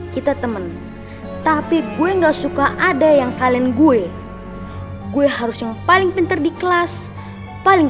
kita temen tapi gue enggak suka ada yang kalian gue gue harus yang paling pinter di kelas paling